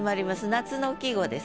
夏の季語ですね。